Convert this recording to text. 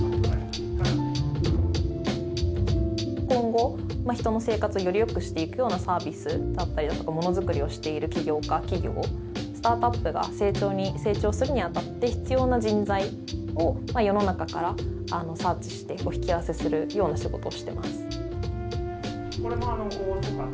今後人の生活をよりよくしていくようなサービスだったりだとかモノづくりをしている起業家企業スタートアップが成長するにあたって必要な人材を世の中からサーチしてお引き合わせするような仕事をしてます。